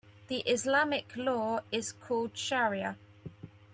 The Islamic law is called shariah.